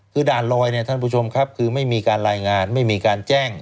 คือด่านลอยเนี่ยท่านผู้ชมครับคือไม่มีการรายงานไม่มีการแจ้ง